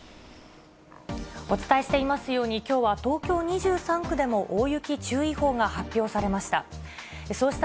お伝えしていますように、きょうは東京２３区でも大雪注意報が発表されました。